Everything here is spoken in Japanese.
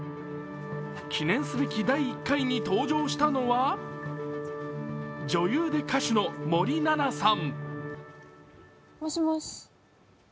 記念すべき第１回に登場したのは女優で歌手の森七菜さん。